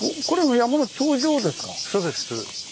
そうです。